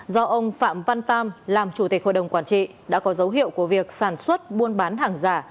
do ông phạm văn tam làm chủ tịch hội đồng quản trị đã có dấu hiệu của việc sản xuất buôn bán hàng giả